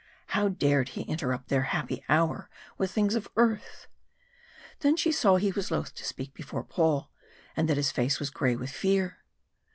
How dared he interrupt their happy hour with things of earth? Then she saw he was loth to speak before Paul, and that his face was grey with fear.